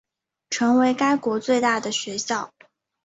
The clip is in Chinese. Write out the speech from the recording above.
成为该国最大的学校。